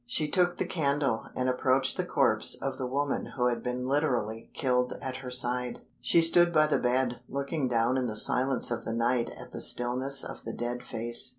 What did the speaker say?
She took the candle, and approached the corpse of the woman who had been literally killed at her side. She stood by the bed, looking down in the silence of the night at the stillness of the dead face.